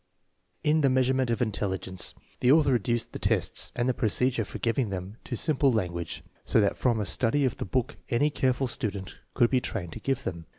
In TheMeaswementcflnteMigencetihe author reduced the tests and the procedure for giving them to simple language, so that from a study of the book any careful student could be trained to give them.